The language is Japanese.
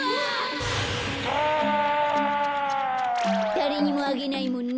だれにもあげないもんね。